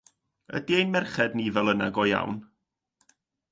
Ydy ein merched ni fel yna go iawn?